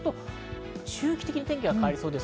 周期的に天気は変わりそうです。